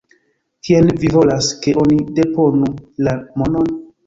Kien vi volas, ke oni deponu la monon?